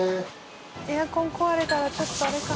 エアコン壊れたらちょっとあれか。